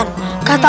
kan ini udah azan